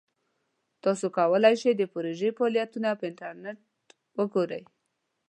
تاسو کولی شئ د پروژې فعالیتونه په انټرنیټ وګورئ.